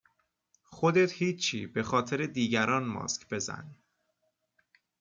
خودت هیچی بخاطر دیگران ماسک بزن